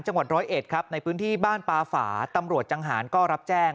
จังหวัดร้อยเอ็ดครับในพื้นที่บ้านปาฝาตำรวจจังหารก็รับแจ้ง